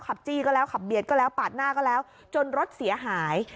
จี้ก็แล้วขับเบียดก็แล้วปาดหน้าก็แล้วจนรถเสียหาย